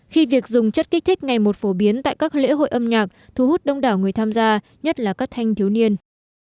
khi việc dùng chất kích thích ngày một phổ biến tại các lễ hội âm nhạc thu hút đông đảo người tham gia nhất là các thanh thiếu niên